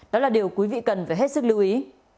đó là điều quý vị cần phải hết sức lưu ý